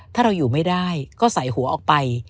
ถ้าเราอยู่ไม่ได้ก็ใส่หัวออกไป